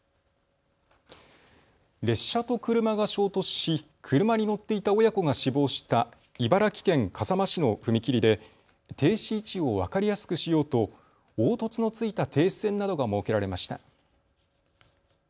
列車と車が衝突し車に乗っていた親子が死亡した茨城県笠間市の踏切で停止位置を分かりやすくしようと凸凹のついた停止線などが設けられました。